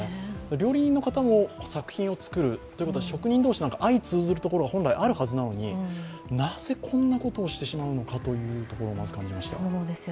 料理人の方も作品を作るということは、職人同士、相通ずるところは本来あるところなのになぜ、こういうことをしてしまうのかまず感じました。